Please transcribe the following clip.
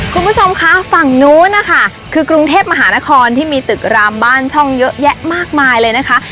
คุณผู้ชมคะฝั่งนู้นนะคะคือกรุงเทพมหานครที่มีตึกรามบ้านช่องเยอะแยะมากมายเลยนะคะ